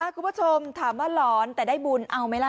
คุณผู้ชมถามว่าหลอนแต่ได้บุญเอาไหมล่ะ